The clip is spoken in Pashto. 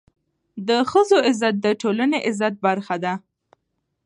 د ښځو عزت د ټولني د عزت برخه ده.